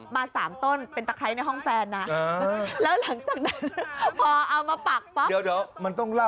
มา๓ต้นเป็นตะไคร้ในห้องแฟนนะ